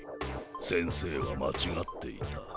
先生は間違っていた。